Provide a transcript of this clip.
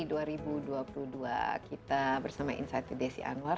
di dua puluh dua kita bersama insight with desi anwar